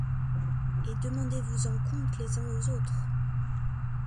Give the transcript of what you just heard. Et demandez-vous-en compte les uns aux autres !